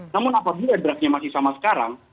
namun apabila draftnya masih sama sekarang